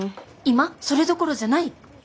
今それどころじゃない。